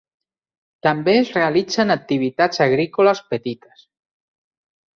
També es realitzen activitats agrícoles petites.